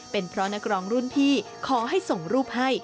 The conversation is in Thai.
เป็นเพราะนักร้องรุ่นพี่ขอให้ส่งรูปให้